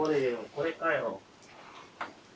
これかよ。